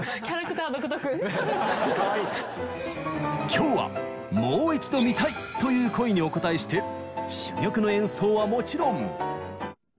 今日はもう一度見たい！という声にお応えして珠玉の演奏はもちろん。